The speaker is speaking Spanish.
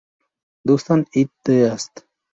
Dunstan in the East.